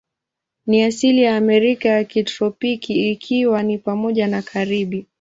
Ni asili ya Amerika ya kitropiki, ikiwa ni pamoja na Karibi.